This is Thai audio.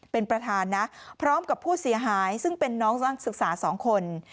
เป็นประธานนะพร้อมกับผู้เสียหายซึ่งเป็นน้องนักศึกษา๒คน